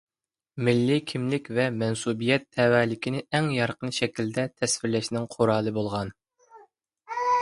مىللىي كىملىك ۋە مەنسۇبىيەت تەۋەلىكىنى ئەڭ يارقىن شەكىلدە تەسۋىرلەشنىڭ قورالى بولغان.